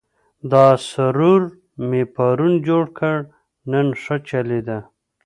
دا سرور مې پرون جوړ کړ، نن ښه چلېده.